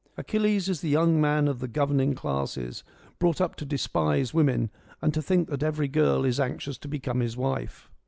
Achilles is the young man of the governing classes, brought up to r despise women, and to think that every girl is anxious to become his wife.